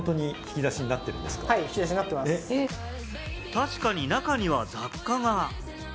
確かに中には雑貨が。